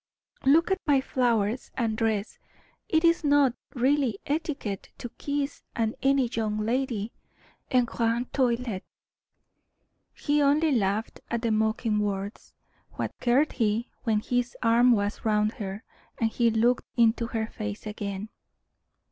Look at my flowers and dress; it is not, really, etiquette to kiss any young lady en grande toilette." He only laughed at the mocking words. What cared he, when his arm was round her, and he looked into her face again.